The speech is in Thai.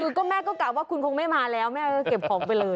คือก็แม่ก็กลับว่าคุณคงไม่มาแล้วแม่ก็เก็บของไปเลย